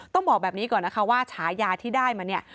ต้องบอกแบบนี้ก่อนนะคะว่าฉายาที่ได้มาเนี่ย